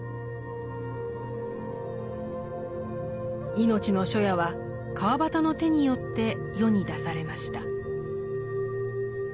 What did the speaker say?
「いのちの初夜」は川端の手によって世に出されました。